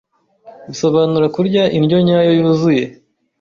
bisobanura kurya indyo nyayo yuzuye,